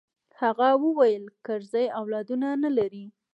هغه وويل کرزى اولاد نه لري.